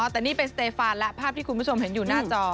แต่นี่เป็นสเตฟานและภาพที่คุณผู้ชมเห็นอยู่หน้าจอ